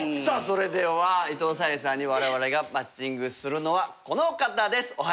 さあそれでは伊藤沙莉さんにわれわれがマッチングするのはこの方です。